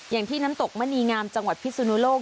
อย่างที่น้ำตกมณีงามจังหวัดพิสุนุโลก